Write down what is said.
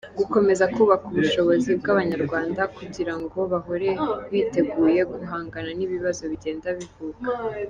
Gukomeza kubaka ubushobozi bw’Abanyarwanda, kugira ngo bahore biteguye guhangana n’ibibazo bigenda bivuka;.